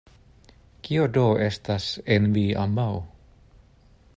Kio do estas en vi ambaŭ?